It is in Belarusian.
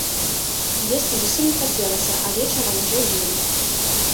Есці зусім не хацелася, а вечарам ужо елі.